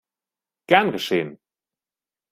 Gern geschehen!